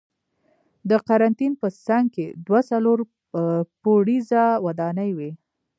د قرنتین په څنګ کې دوه څلور پوړیزه ودانۍ وې.